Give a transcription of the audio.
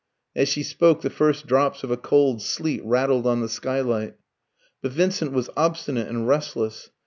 As she spoke, the first drops of a cold sleet rattled on the skylight. But Vincent was obstinate and restless.